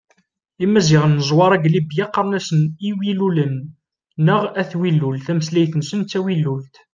Imaziɣen n Zwaṛa deg Libya qqaren-asen Iwilulen neɣ At Wilul, tameslayt-nsen d tawilult.